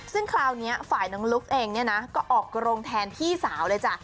ซึ่งคราวนี้ฝ่ายน้องลุ๊กเองเนี่ยนะก็ออกกรงแทนพี่สาวเลยจ้ะ